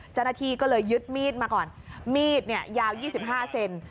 เจ้าหน้าที่ก็เลยยึดมีดมาก่อนมีดเนี่ยยาว๒๕เซน